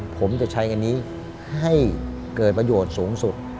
ผมจะใช้อันนี้ให้เกิดประโยชน์สูงสุด